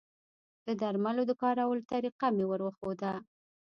د درملو د کارولو طریقه مې وروښوده